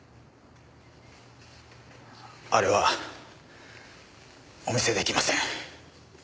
あれはお見せできません。